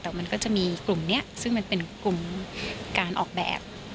แต่มันก็จะมีกลุ่มนี้ซึ่งมันเป็นกลุ่มการออกแบบ